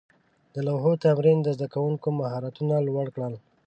د لوحو تمرین د زده کوونکو مهارتونه لوړ کړل.